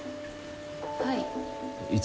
はい。